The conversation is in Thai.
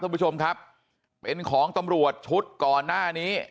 ท่านผู้ชมครับเป็นของตำรวจชุดก่อนหน้านี้